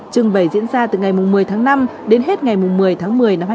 trưng bày diễn ra từ ngày một mươi tháng năm đến hết ngày một mươi tháng một mươi năm hai nghìn hai mươi